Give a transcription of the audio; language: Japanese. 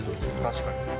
確かに。